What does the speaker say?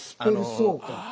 そうか。